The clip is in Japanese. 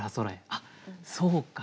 あっそうか。